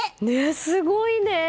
すごいね。